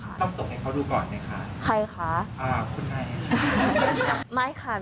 ความสมให้เขาดูก่อนไหมค่ะใครค่ะอ่าคุณแม่